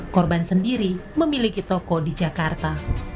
korban sendiri memiliki toko di jakarta